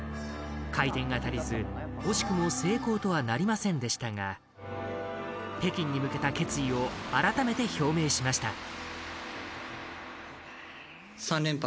回転が足りず、惜しくも成功とはなリませんでしたが北京に向けた決意を改めて表明しました。